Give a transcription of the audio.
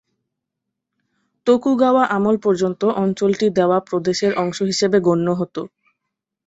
Tokugawa আমল পর্যন্ত অঞ্চলটি দেওয়া প্রদেশের অংশ হিসেবে গণ্য হত।